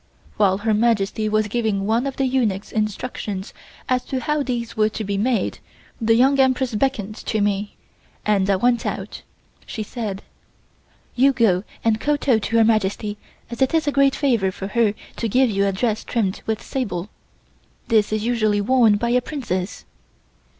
While Her Majesty was giving one of the eunuchs instructions as to how these were to be made, the Young Empress beckoned to me, and I went out. She said: "You go and kowtow to Her Majesty as it is a great favor for her to give you a dress trimmed with sable. This is usually only worn by a Princess."